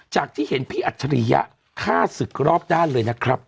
ที่เห็นพี่อัจฉริยะฆ่าศึกรอบด้านเลยนะครับ